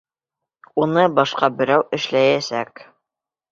Уны башҡа берәү эшләйәсәк.